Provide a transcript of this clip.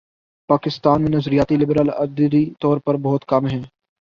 پاکستان میں نظریاتی لبرل عددی طور پر بہت کم ہیں۔